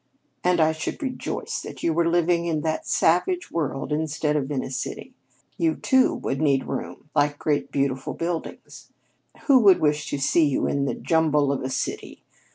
And I should rejoice that you were living in that savage world instead of in a city. You two would need room like great beautiful buildings. Who would wish to see you in the jumble of a city?